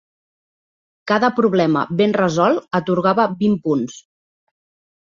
Cada problema ben resolt atorgava vint punts.